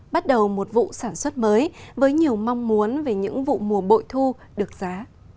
bắt đầu một vụ sản xuất mới với nhiều mong muốn về những vụ mùa bội thu được giá